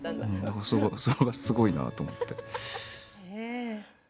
それはすごいなと思って。